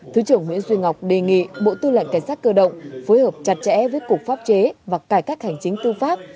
thứ trưởng nguyễn duy ngọc đề nghị bộ tư lệnh cảnh sát cơ động phối hợp chặt chẽ với cục pháp chế và cải cách hành chính tư pháp